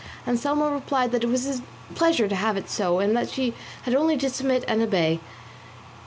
Anselmo replied that it was his pleasure to have it so, and that she had only to submit and obey.